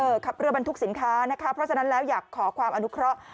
ขับเรือบรรทุกสินค้านะคะเพราะฉะนั้นแล้วอยากขอความอนุเคราะห์